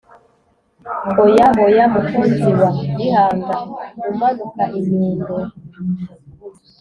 oya, oya, mukunzi wa gihanga, umanuka inyundo